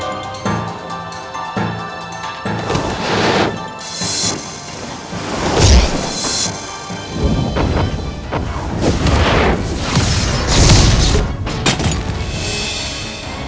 aku sudah menghabisi para santrimu